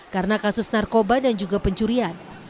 karena kasus narkoba dan juga pencurian